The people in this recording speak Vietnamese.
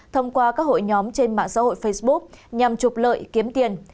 thông qua các hội nhóm trên mạng xã hội facebook nhằm trục lợi kiếm tiền